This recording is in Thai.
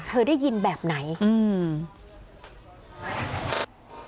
เคยได้ยินแบบไหนอืม